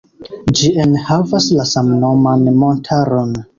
Ĝi enhavas la samnoman montaron.